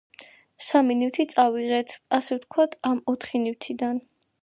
სამი ნივთი წავიღეთ, ასე ვთქვათ, ამ ოთხი ნივთიდან.